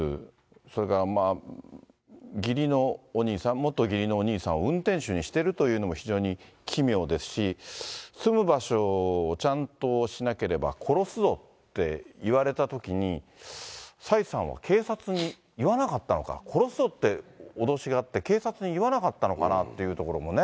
それから義理のお兄さん、元義理のお兄さんを運転手にしてるというのも非常に奇妙ですし、住む場所をちゃんとしなければ殺すぞって言われたときに、蔡さんは警察に言わなかったのか、殺すぞって脅しがあって、警察に言わなかったのかなっていうところもね。